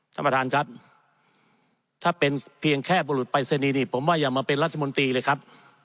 ท่านประธานครับถ้าเป็นเพียงแค่บุรุษปรายศนีย์นี่ผมว่าอย่ามาเป็นรัฐมนตรีเลยครับ